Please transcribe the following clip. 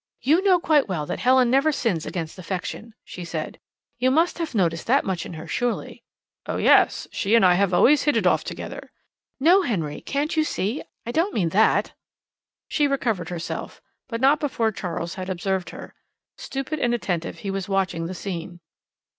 "You know quite well that Helen never sins against affection," she said. "You must have noticed that much in her, surely." "Oh yes; she and I have always hit it off together." "No, Henry can't you see? I don't mean that." She recovered herself, but not before Charles had observed her. Stupid and attentive, he was watching the scene.